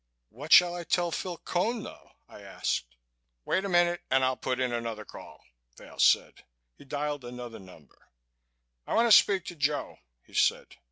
'" "What shall I tell Phil Cone, though?" I asked. "Wait a minute and I'll put in another call," Vail said. He dialed another number. "I want to speak to Joe," he said.